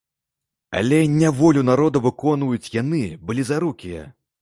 Але не волю народа выконваюць яны, блізарукія.